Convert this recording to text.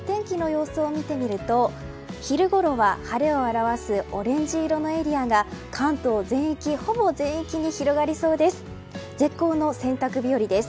明日の天気の様子を見てみると昼ごろは晴れを表すオレンジ色のエリアが関東ほぼ全域に広がりそうです。